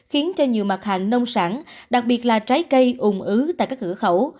khiến cho nhiều mặt hàng nông sản đặc biệt là trái cây ồn ứ tại các cửa khẩu